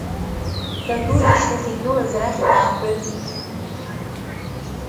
Даду ишьҭахь игылаз рахь дааҳәын…